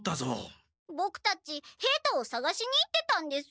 ボクたち平太をさがしに行ってたんです。